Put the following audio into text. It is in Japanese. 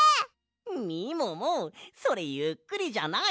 みももそれゆっくりじゃない！